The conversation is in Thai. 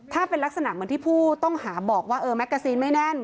ถ้าเป็นลักษณะเหมือนที่ผู้ต้องหาบอกว่าเออแมกกาซีนไม่แน่น